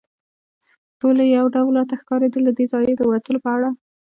ټولې یو ډول راته ښکارېدې، له دې ځایه د وتلو په اړه.